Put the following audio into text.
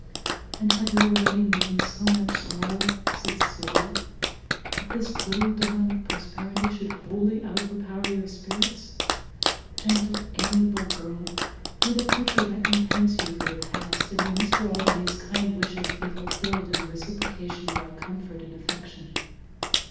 "And have you already known so much sorrow," said Cecilia, "that this little dawn of prosperity should wholly overpower your spirits? Gentle, amiable girl! may the future recompense you for the past, and may Mr Albany's kind wishes be fulfilled in the reciprocation of our comfort and affection!"